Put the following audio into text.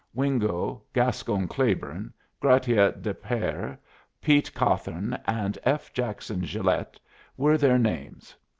Wingo, Gascon Claiborne, Gratiot des Pères, Pete Cawthon, and F. Jackson Gilet were their names.